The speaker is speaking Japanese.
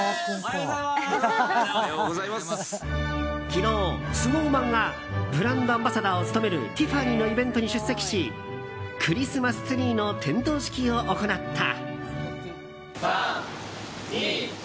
昨日、ＳｎｏｗＭａｎがブランドアンバサダーを務めるティファニーのイベントに出席しクリスマスツリーの点灯式を行った。